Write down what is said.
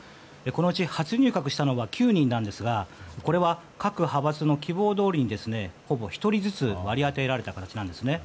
このうち初入閣したのは９人ですがこれは各派閥の希望通りにほぼ１人ずつ割り当てられた形です。